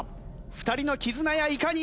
２人の絆やいかに？